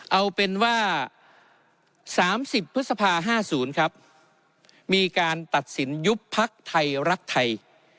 เอาเป็นว่าสามสิบพฤษภาห้าศูนย์ครับมีการตัดสินยุบพรรคไทยรัฐไทย